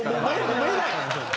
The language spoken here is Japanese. もめない。